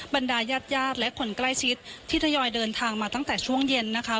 บรรดายาดและคนใกล้ชิดที่ทยอยเดินทางมาตั้งแต่ช่วงเย็นนะคะ